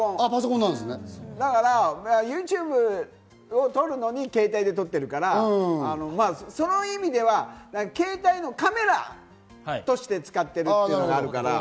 だからＹｏｕＴｕｂｅを撮るのに携帯で撮ってるから、そういう意味では携帯のカメラとして使ってる。